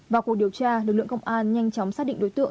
vào cuộc điều tra lực lượng công an nhanh chóng xác định đối tượng